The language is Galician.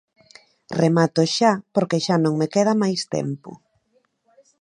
Remato xa porque xa non me queda máis tempo.